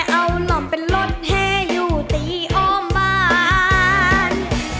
เอาหล่อมเป็นรถแห่อยู่ตีอ้อมบาน